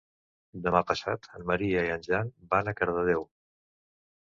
Demà passat en Maria i en Jan van a Cardedeu.